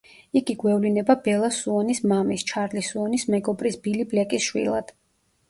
იგი გვევლინება ბელა სუონის მამის, ჩარლი სუონის მეგობრის ბილი ბლეკის შვილად.